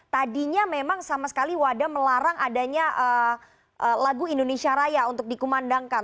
tadinya memang sama sekali wada melarang adanya lagu indonesia raya untuk dikumandangkan